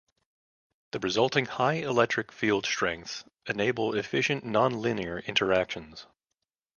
The resulting high electric field strengths enable efficient nonlinear interactions.